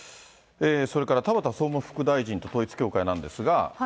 それから田畑総務副大臣と統一教会なんですが。